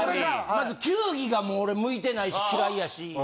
まず球技が俺向いてないし嫌いやし。